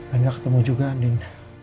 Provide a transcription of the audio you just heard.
enggak ketemu juga andin